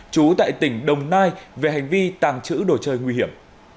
trú tại tỉnh đồng nai về hành vi tàng trữ đồ chơi nguy hiểm